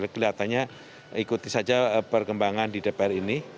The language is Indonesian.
kelihatannya ikuti saja perkembangan di dpr ini